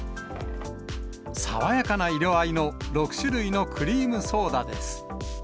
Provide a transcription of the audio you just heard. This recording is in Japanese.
爽やかな色合いの６種類のクリームソーダです。